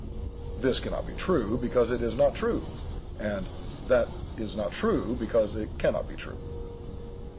"This cannot be true, because it is not true; and, that is not true, because it cannot be true."